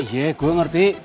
iya gue ngerti